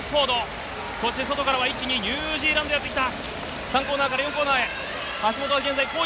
そして外から一気にニュージーランドがやってきました。